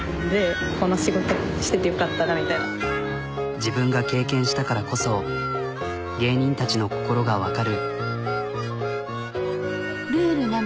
自分が経験したからこそ芸人たちの心がわかる。